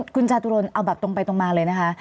คุณจาตุรนเอาแบบตรงไปตรงมาเลยนะคะ